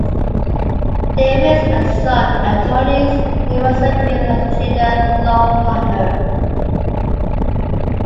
Davis and Son, Attorneys, in Russellville as a junior law partner.